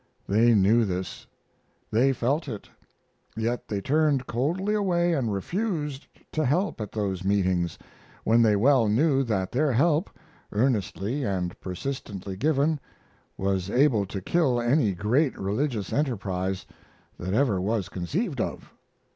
They knew this. They felt it. Yet they turned coldly away and refused to help at those meetings, when they well knew that their help, earnestly and persistently given, was able to kill any great religious enterprise that ever was conceived of.